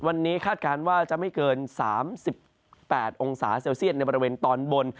วันนี้คาดการณ์ว่าจะไม่เกิน๓๘องศาเซลเซียตในบริเวณตอนบน